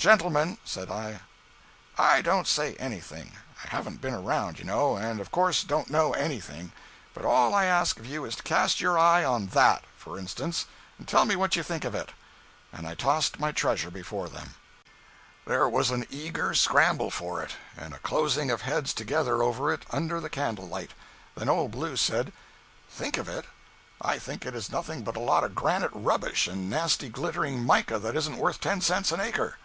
"Gentlemen," said I, "I don't say anything—I haven't been around, you know, and of course don't know anything—but all I ask of you is to cast your eye on that, for instance, and tell me what you think of it!" and I tossed my treasure before them. 207.jpg (92K) There was an eager scramble for it, and a closing of heads together over it under the candle light. Then old Ballou said: "Think of it? I think it is nothing but a lot of granite rubbish and nasty glittering mica that isn't worth ten cents an acre!"